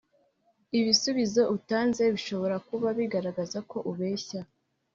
ibisubizo utanze bishobora kuba bigaragaza ko ubeshya.